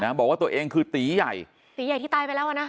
บอกว่าตัวเองคือตีใหญ่ตีใหญ่ที่ตายไปแล้วอ่ะนะ